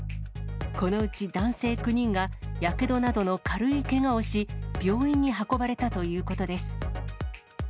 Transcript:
このうち男性９人がやけどなどの軽いけがをし、病院に運ばれたということです。